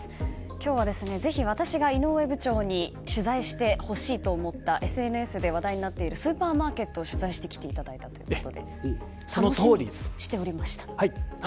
今日は、ぜひ私が井上部長に取材してほしいと思ったＳＮＳで話題になっているスーパーマーケットを取材してきていただいたということで楽しみにしておりました。